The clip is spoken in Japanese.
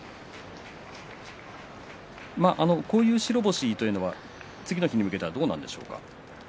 こういう白星というのは次の日に向けてはどうですか。